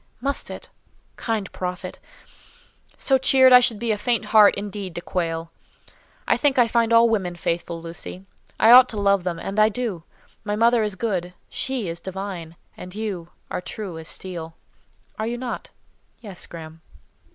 "Must it? Kind prophet! So cheered, I should be a faint heart indeed to quail. I think I find all women faithful, Lucy. I ought to love them, and I do. My mother is good; she is divine; and you are true as steel. Are you not?" "Yes, Graham."